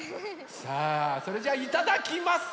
さあそれじゃあいただきます。